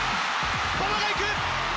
馬場が行く！